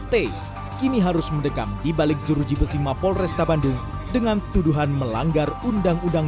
t kini harus mendekam dibalik juru jibesima polresta bandung dengan tuduhan melanggar undang undang